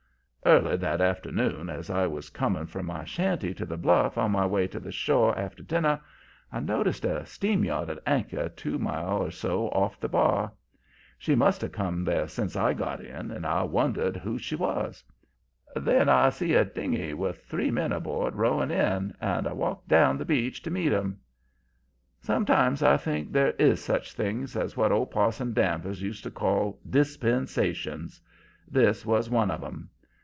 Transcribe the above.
"Early that afternoon, as I was coming from my shanty to the bluff on my way to the shore after dinner, I noticed a steam yacht at anchor two mile or so off the bar. She must have come there sence I got in, and I wondered whose she was. Then I see a dingey with three men aboard rowing in, and I walked down the beach to meet 'em. "Sometimes I think there is such things as what old Parson Danvers used to call 'dispensations.' This was one of 'em.